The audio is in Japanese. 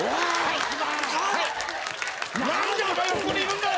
何でお前がここにいるんだよ？